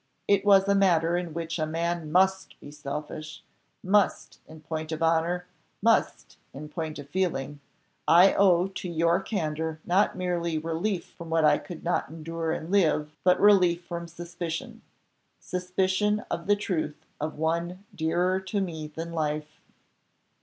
It was a matter in which a man MUST be selfish,_ must_ in point of honour, must in point of feeling, I owe to your candour not merely relief from what I could not endure and live, but relief from suspicion, suspicion of the truth of one dearer to me than life."